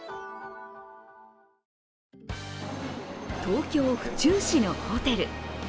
東京・府中市のホテル。